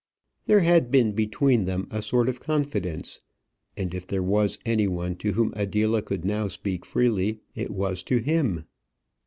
There had been between them a sort of confidence, and if there was any one to whom Adela could now speak freely, it was to him.